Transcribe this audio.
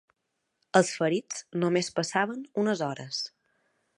Els ferits només passaven unes hores